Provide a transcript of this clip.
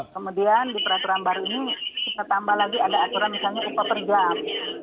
kemudian di peraturan baru ini kita tambah lagi ada aturan misalnya upah per jam